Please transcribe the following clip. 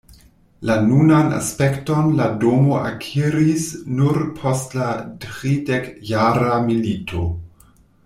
La nunan aspekton la domo akiris nur post la Tridekjara milito.